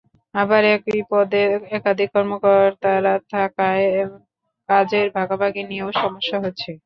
আবার একই পদে একাধিক কর্মকর্তা থাকায় কাজের ভাগাভাগি নিয়েও সমস্যা হচ্ছে।